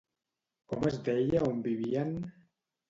Com es deia on vivien?